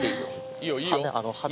いいいい！